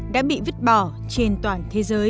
đã bị vứt bỏ trên toàn thế giới